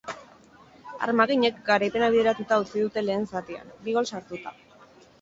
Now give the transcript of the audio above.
Armaginek garaipena bideratuta utzi dute lehen zatian, bi gol sartuta.